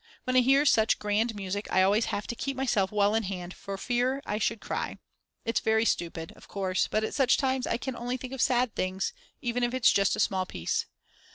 When I hear such grand music I always have to keep myself well in hand for I fear I should cry. It's very stupid, of course, but at such times I can only think of sad things, even if it's just a small piece.